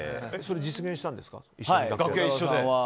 実現したんですか？